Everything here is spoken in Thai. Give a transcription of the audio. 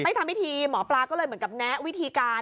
ทำพิธีหมอปลาก็เลยเหมือนกับแนะวิธีการ